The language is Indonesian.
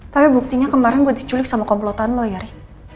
tapi buktinya kemarin gue diculik sama komplotan lo ya ri